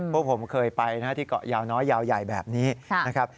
พวกผมเคยไปที่เกาะยาวน้อยยาวใหญ่แบบนี้นะครับ